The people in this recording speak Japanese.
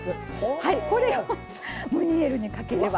これをムニエルにかければ。